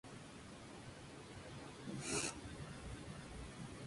Hay instaladas empresas agro industriales, se fabrica papel, cigarrillos y telas.